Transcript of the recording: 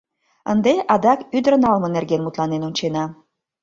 Ынде адак ӱдыр налме нерген мутланен ончена.